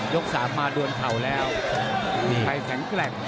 ยก๓มาด้วยเข่าแล้วใครแข็งแกร่ง